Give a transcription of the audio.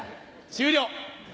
終了！